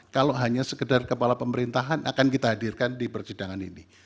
kalau hanya sekedar kepala pemerintahan akan kita hadirkan di persidangan ini